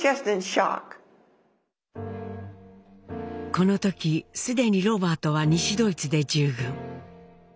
この時既にロバートは西ドイツで従軍。